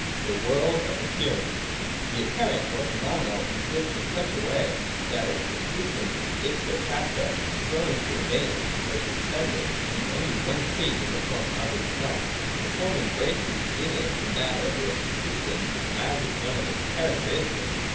(a) The World of Appearance. 132.] The Apparent or Phenomenal exists in such a way, that its subsistence is ipso facto thrown into abey ance or suspended and is only one stage in the form itself. The form embraces in it the matter or subsist ence as one of its characteristics.